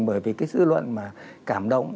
bởi vì cái dư luận mà cảm động